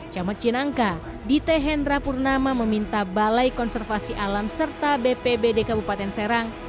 camat cinangka dite hendra purnama meminta balai konservasi alam serta bpbd kabupaten serang